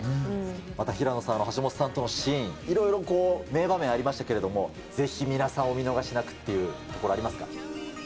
また平野さんは橋本さんとのシーン、いろいろと名場面、ありましたけれども、ぜひ皆さんお見逃しなくっていうところありますか？